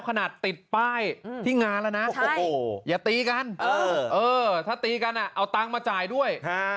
ขนาดติดป้ายที่งานแล้วนะอย่าตีกันถ้าตีกันเอาตังค์มาจ่ายด้วย